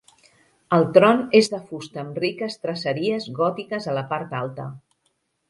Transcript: El tron és de fusta amb riques traceries gòtiques a la part alta.